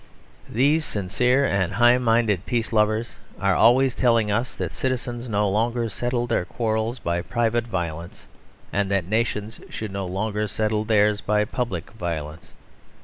These sincere and high minded peace lovers are always telling us that citizens no longer settle their quarrels by private violence; and that nations should no longer settle theirs by public violence.